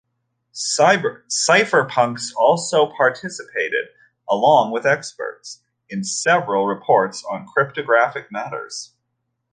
Cypherpunks also participated, along with other experts, in several reports on cryptographic matters.